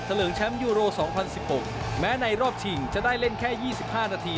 เลิงแชมป์ยูโร๒๐๑๖แม้ในรอบชิงจะได้เล่นแค่๒๕นาที